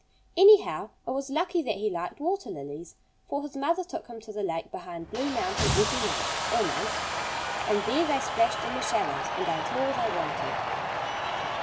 Anyhow, it was lucky that he liked water lilies. For his mother took him to the lake behind Blue Mountain every night, almost. And there they splashed in the shallows and ate all they wanted.